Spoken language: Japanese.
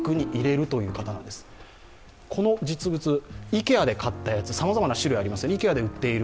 この実物、ＩＫＥＡで買ったやつ、さまざまな種類があります。